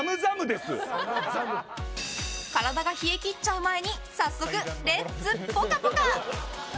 体が冷え切っちゃう前に早速、レッツぽかぽか！